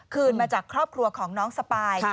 คืนมาจากครอบครัวของน้องสปาย